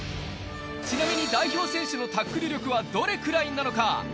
ちなみに代表選手のタックル力はどれくらいなのか？